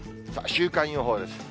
週間予報です。